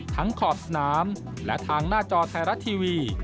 ขอบสนามและทางหน้าจอไทยรัฐทีวี